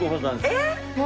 えっ？